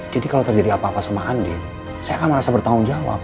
kalau terjadi apa apa sama andin saya akan merasa bertanggung jawab